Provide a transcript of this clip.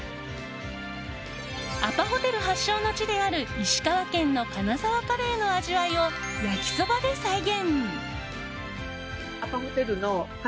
アパホテル発祥の地である石川県の金沢カレーの味わいを焼きそばで再現。